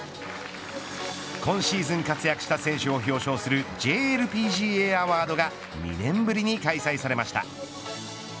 今シーズン活躍した選手を表彰するＪＬＰＧＡアワードが２年ぶりに開催されました。